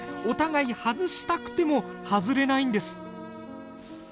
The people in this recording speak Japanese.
お互い外したくても外れないんです。